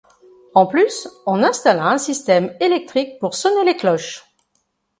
En plus, on installa un système électrique pour sonner les cloches.